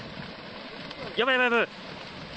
やばい、やばい。